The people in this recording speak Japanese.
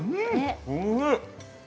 おいしい。